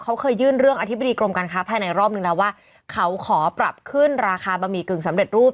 เขาเคยยื่นเรื่องอธิบดีกรมการค้าภายในรอบนึงแล้วว่าเขาขอปรับขึ้นราคาบะหมี่กึ่งสำเร็จรูป